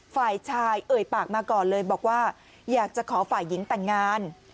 ฝ่ายชายเอ่ยปากมาก่อนเลยบอกว่าอยากจะขอฝ่ายหญิงแต่งงาน